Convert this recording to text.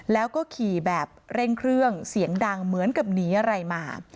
แล้วก็ขี่แบบเร่งเครื่องเสียงดังเหมือนกับหนีอะไรมา